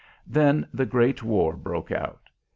Then the Great War broke out.